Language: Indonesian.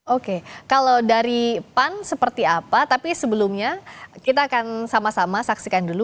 oke kalau dari pan seperti apa tapi sebelumnya kita akan sama sama saksikan dulu